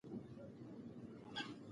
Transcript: په پوله باندې کېناست او ساه یې واخیسته.